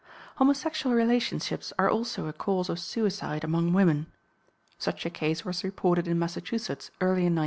Homosexual relationships are also a cause of suicide among women. Such a case was reported in Massachusetts early in 1901.